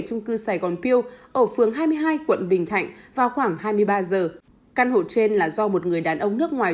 trung cư sài gòn peu ở phường hai mươi hai quận bình thạnh vào khoảng hai mươi ba h căn hộ trên là do một người đàn ông nước ngoài